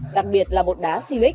đặc biệt là bột đá xì lích